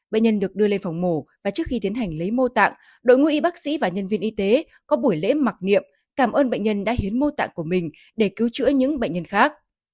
bệnh nhân được đưa lên phòng mổ và trước khi tiến hành lấy mô tạng đội ngũ y bác sĩ và nhân viên y tế có buổi lễ mặc niệm cảm ơn bệnh nhân đã hiến mô tạng của mình để cứu chữa những bệnh nhân khác